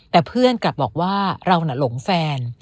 แต่เพื่อนกลับบอกว่าเราน่ะหลงแฟน